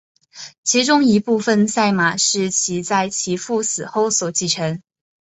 其中一部分赛马是其在其父死后所继承。